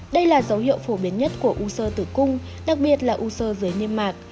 đây là dấu hiệu phổ biến nhất của u sơ tử cung đặc biệt là u sơ dưới niêm mạc